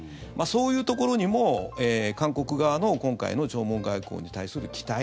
そういうところにも韓国側の今回の弔問外交に対する期待。